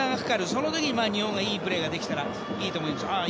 その時に日本がいいプレーができたらいいなと思います。